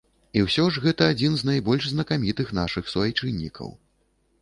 Усё ж гэта адзін з найбольш знакамітых нашых суайчыннікаў.